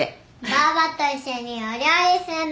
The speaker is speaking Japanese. ばあばと一緒にお料理するの！